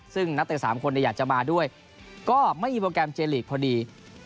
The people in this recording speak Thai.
ซึ่งนักเตะ๓คนอยากจะมาด้วยก็ไม่มีโปรแกรมเจลีกพอดี